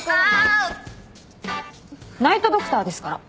ナイト・ドクターですから。